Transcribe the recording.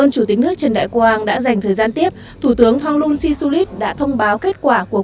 chủ tịch nước trần đại quang cũng mong muốn trong năm hai nghìn một mươi bảy